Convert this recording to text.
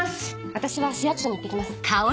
私は市役所に行ってきます。